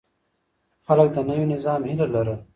خلک د نوي نظام هيله لرله.